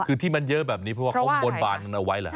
คือที่มันเยอะแบบนี้เพราะว่าเขาบนบานเอาไว้แหละ